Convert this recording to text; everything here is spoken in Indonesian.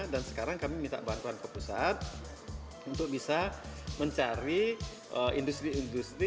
dan sekarang kami minta bantuan ke pusat untuk bisa mencari industri industri